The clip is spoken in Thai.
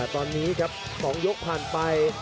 ตอนนี้ครับ๒ยกผ่านไป